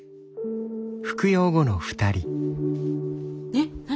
えっ何？